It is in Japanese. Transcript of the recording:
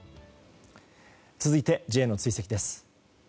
続いて、Ｊの追跡です。